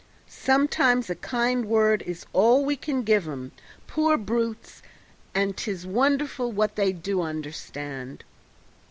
Sometimes a kind word is all we can give 'em, poor brutes, and 'tis wonderful what they do understand."